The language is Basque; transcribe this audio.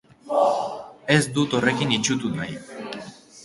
Ez dut horrekin itsutu nahi.